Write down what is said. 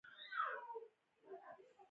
غږ د ملتونو غږ دی